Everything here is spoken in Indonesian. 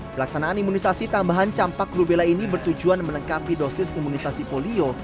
pelaksanaan imunisasi tambahan campak rubella ini bertujuan melengkapi dosis imunisasi polio